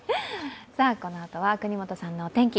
このあとは國本さんのお天気。